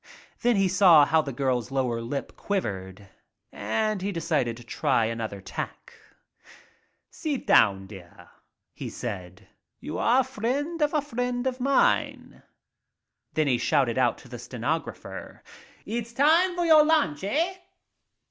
Then he saw how the girl's lower lip quiv ered, and he decided to try another tack. '*_• *2Z :>*_ GIRL WHO WANTED WORK 79 '■'■.■ "Sit down, dear," he said, "you are a friend of a friend of mine; Then he shouted out to the stenographer : "It's time for your lunch, eh